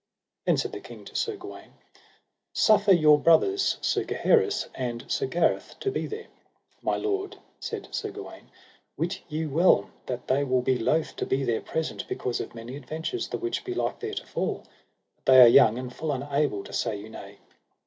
Then said the king to Sir Gawaine: Suffer your brothers Sir Gaheris and Sir Gareth to be there. My lord, said Sir Gawaine, wit you well they will be loath to be there present, because of many adventures the which be like there to fall, but they are young and full unable to say you nay.